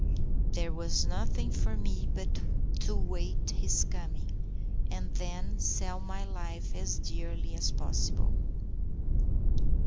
There was nothing for me but to wait his coming, and then sell my life as dearly as possible.